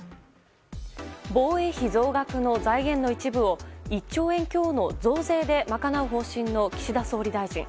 防衛費増額の財源の一部を１兆円強の増税で賄う方針の岸田総理大臣。